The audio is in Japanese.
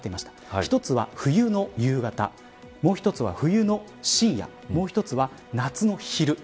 １つは冬の夕方もう１つは冬の深夜もう１つは夏の昼。